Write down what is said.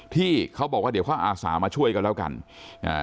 ที่เขาบอกว่าเดี๋ยวเขาอาสามาช่วยกันแล้วกันอ่า